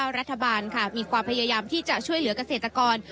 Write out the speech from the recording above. จากนายกรัฐมรีว่ารัฐบาลมีความพยายามที่จะช่วยเหลือกเกษตรกร